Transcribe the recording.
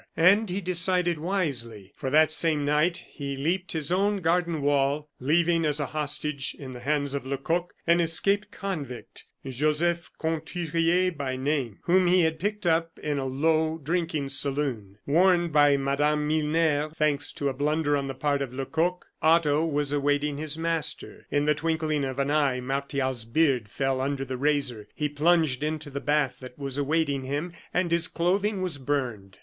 And he decided wisely, for that same night he leaped his own garden wall, leaving, as a hostage, in the hands of Lecoq, an escaped convict, Joseph Conturier by name, whom he had picked up in a low drinking saloon. Warned by Mme. Milner, thanks to a blunder on the part of Lecoq, Otto was awaiting his master. In the twinkling of an eye Martial's beard fell under the razor; he plunged into the bath that was awaiting him, and his clothing was burned.